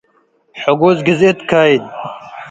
. ሕጉዝ ግድእት ካይድ፣